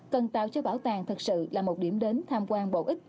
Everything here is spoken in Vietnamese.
cần tạo cho bảo tàng thật sự là một điểm đến tham quan bổ ích